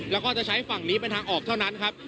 แล้วก็จะใช้ฝั่งนี้เป็นทางออกเท่านั้นครับ